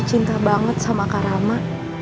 cinta banget sama kak rama